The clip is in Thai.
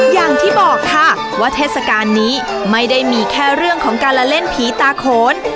อย่างที่บอกค่ะว่าเทศกาลนี้ไม่ได้มีแค่เรื่องของการละเล่นผีตาโขน